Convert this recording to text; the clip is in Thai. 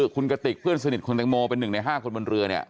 คุณกติกเพื่อนสนิทคุณแตงโมเป็น๑ใน๕คนบนเรือเนี่ย